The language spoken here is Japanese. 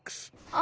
あ。